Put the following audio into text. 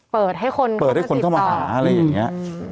เปิดให้คนเข้ามาหาอะไรอย่างนี้